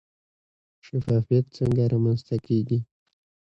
شفافیت څنګه رامنځته کیږي؟